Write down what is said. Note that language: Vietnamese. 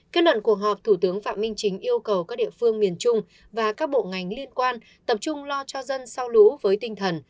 kết luận cuộc họp thủ tướng phạm minh chính yêu cầu các địa phương miền trung và các bộ ngành liên quan tập trung lo cho dân sau lũ với tinh thần